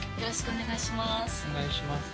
お願いします